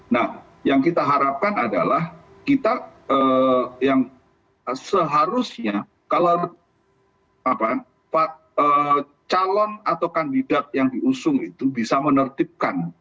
nah yang kita harapkan adalah kita yang seharusnya kalau calon atau kandidat yang diusung itu bisa menertibkan